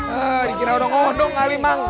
eh dikira odong odong kali mak